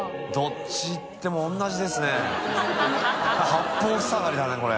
八方ふさがりだねこれ。